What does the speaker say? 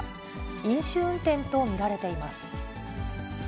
飲酒運転と見られています。